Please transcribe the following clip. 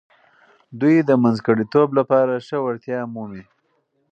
دوی د منځګړیتوب لپاره ښه وړتیا مومي.